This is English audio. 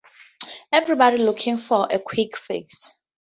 Everybody's looking for a quick fix.